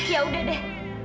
ya udah deh